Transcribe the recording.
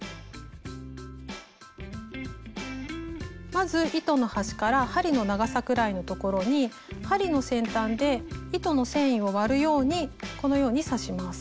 まず糸の端から針の長さくらいのところに針の先端で糸の繊維を割るようにこのように刺します。